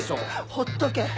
ほっとけ。